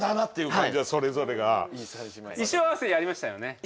衣装合わせやりましたよね。